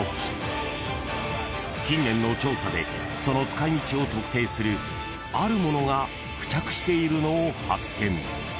［近年の調査でその使い道を特定するあるものが付着しているのを発見］